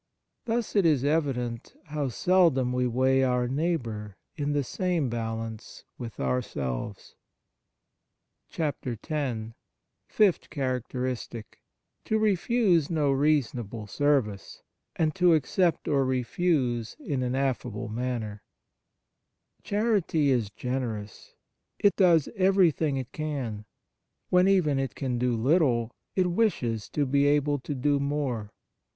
Thus it is evident how seldom we weigh our neighbour in the same balance with ourselves "(" Imitation," i. 1 6). X FIFTH CHARACTERISTIC To refuse no reasonable service, and to accept or refuse in an affable manner CHARITY is generous ; it does everything it can. When even it can do little, it wishes to be able to do more.